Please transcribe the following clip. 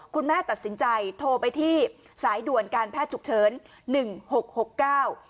คุณแม่ตัดสินใจโทรไปที่สายด่วนการแพทย์ฉุกเฉินหนึ่งหกหกเก้า